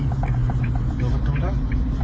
เปิดประตูแล้ว